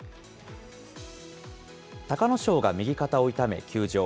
隆の勝が右肩を痛め休場。